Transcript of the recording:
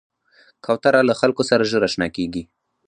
کوتره له خلکو سره ژر اشنا کېږي.